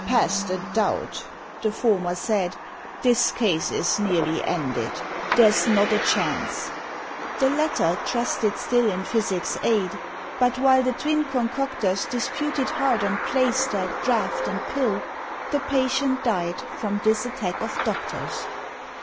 "Past a doubt," The former said, "this case is nearly ended. There's not a chance." The latter trusted still In physic's aid: but while the twin concocters Disputed hard on plaister, draught, and pill, The patient died from this attack of doctors.